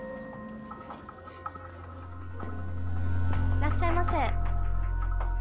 いらっしゃいませ。